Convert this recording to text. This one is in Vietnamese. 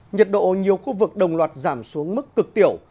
nhiệt độ nhiều khu vực đồng loạt giảm xuống mức cực tiểu